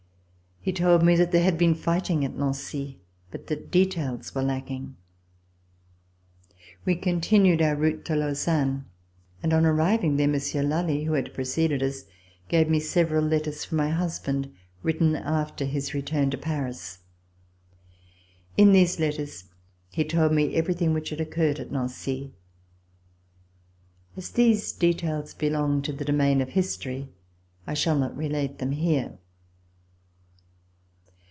He told me that there had been fighting at Nancy, but that details were lacking. We continued our route to Lausanne, and on arriving there Monsieur Lally, who had preceded us, gave me several letters from my husband, written after his return to Paris. In these letters he told me everything which had occurred at Nancy. As these details belong to the domain of history, I shall not relate them here.